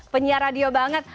penyiar radio banget